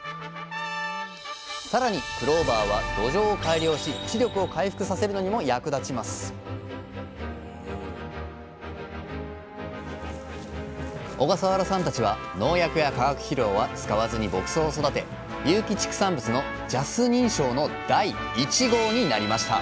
さらにクローバーは土壌を改良し地力を回復させるのにも役立ちます小笠原さんたちは農薬や化学肥料は使わずに牧草を育て有機畜産物のＪＡＳ認証の第１号になりました